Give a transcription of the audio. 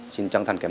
xin chân thành cảm ơn